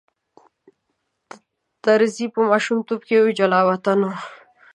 طرزی په ماشومتوب کې جلاوطن و.